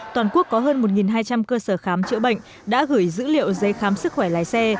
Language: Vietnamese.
toàn quốc có hơn một hai trăm linh cơ sở khám chữa bệnh đã gửi dữ liệu giấy khám sức khỏe lái xe